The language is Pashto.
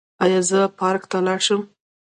ایا زه پارک ته لاړ شم؟